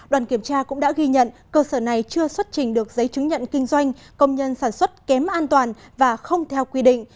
đoàn kiểm tra cũng đã ghi nhận cơ sở này chưa xuất trình được giấy chứng nhận kinh doanh công nhân sản xuất kém an toàn và không theo quy định